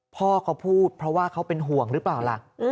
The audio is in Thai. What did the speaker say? พ่อเขาพูดเพราะว่าเขาเป็นห่วงหรือเปล่าล่ะ